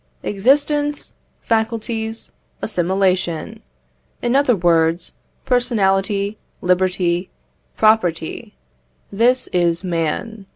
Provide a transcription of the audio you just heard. Existence, faculties, assimilation in other words, personality, liberty, property this is man.